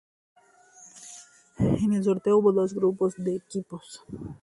En el sorteo hubo dos grupos de equipos.